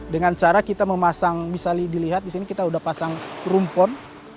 dengan cara kita memasang bisa dilihat di sini kita sudah pasang rumpon